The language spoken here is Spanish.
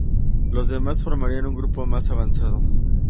Los demás formarían un grupo más avanzado.